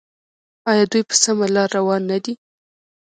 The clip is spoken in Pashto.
آیا دوی په سمه لار روان نه دي؟